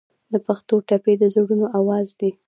د پښتو ټپې د زړونو اواز دی.